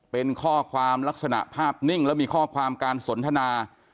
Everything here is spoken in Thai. เป็นข้อความลักษณะภาพนิ่งแล้วมีข้อความการสนทนา